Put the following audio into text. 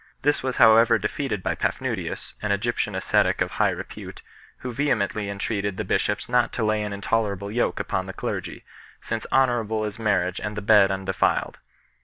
This was however defeated by Paphnutius, an Egyptian ascetic of high repute, who vehemently entreated the bishops not to lay an intolerable yoke upon the clergy, since honourable is marriage and the bed undefiled.